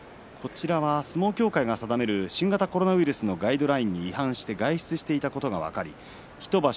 相撲協会が定める新型コロナウイルスのガイドラインに違反して外出していたことが分かり１場所